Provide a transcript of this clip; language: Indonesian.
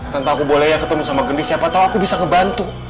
tantaku boleh ya ketemu sama gendis siapa tau aku bisa ngebantu